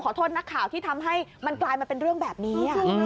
โทษนักข่าวที่ทำให้มันกลายมาเป็นเรื่องแบบนี้